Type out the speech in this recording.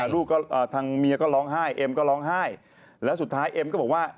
ลูกก็ทางเมียก็ร้องไห้เอ็มก็ร้องไห้แล้วสุดท้ายเอ็มก็บอกว่า